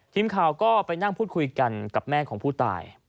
ทีมข่าวก็ไปนั่งพูดคุยกันกับแม่ของผู้ตาย